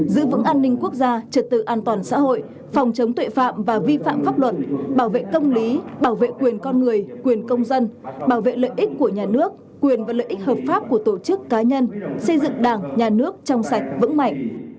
giữ vững an ninh quốc gia trật tự an toàn xã hội phòng chống tội phạm và vi phạm pháp luật bảo vệ công lý bảo vệ quyền con người quyền công dân bảo vệ lợi ích của nhà nước quyền và lợi ích hợp pháp của tổ chức cá nhân xây dựng đảng nhà nước trong sạch vững mạnh